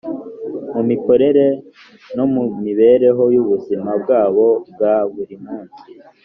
mu mikorere no mu mibereho y’ubuzima bwabo bwa buri munsi